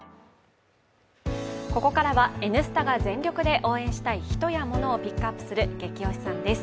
ここかはら「Ｎスタ」が全力で応援したい人やモノをピックアップするゲキ推しさんです。